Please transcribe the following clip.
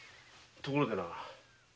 ところでな。